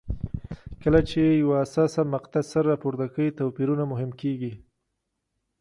کله چې یوه حساسه مقطعه سر راپورته کوي توپیرونه مهم کېږي.